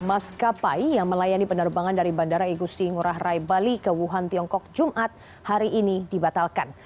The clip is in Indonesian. maskapai yang melayani penerbangan dari bandara igusti ngurah rai bali ke wuhan tiongkok jumat hari ini dibatalkan